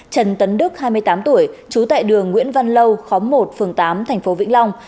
trần tấn đức hai mươi tám tuổi trú tại đường nguyễn văn lâu khóm một phường tám thành phố vĩnh long